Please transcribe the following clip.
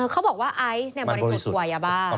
เขาบอกว่าไอซ์เนี่ยบริสุทธิ์กว่ายาบ้า